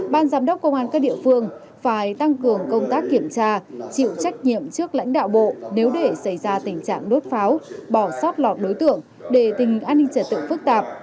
ban giám đốc công an các địa phương phải tăng cường công tác kiểm tra chịu trách nhiệm trước lãnh đạo bộ nếu để xảy ra tình trạng đốt pháo bỏ sót lọt đối tượng để tình an ninh trật tự phức tạp